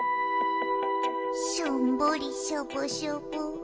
しょんぼりしょぼしょぼ。